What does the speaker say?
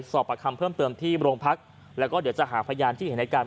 ประคำเพิ่มเติมที่โรงพักแล้วก็เดี๋ยวจะหาพยานที่เห็นในการ